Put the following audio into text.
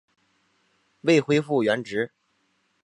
未恢复原职